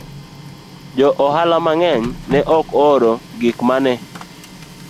Joohala mang'eny ne ok ooro gik ma ne